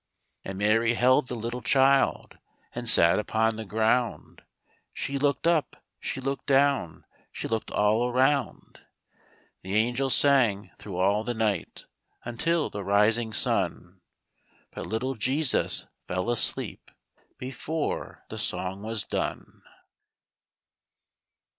And Mary held the little child And sat upon the ground; She looked up, she looked down, She looked all around. The angels sang thro' all the night Until the rising sun, But little Jesus fell asleep Before the song was done.